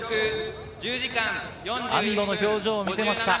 安堵の表情を見せました。